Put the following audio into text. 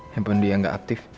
handphone dia gak aktif